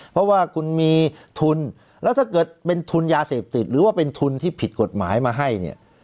เพราะว่าคุณมีทุนแล้วถ้าเกิดเป็นทุนยาเสพติดหรือว่าเป็นทุนที่ผิดกฎหมายมาให้เนี่ย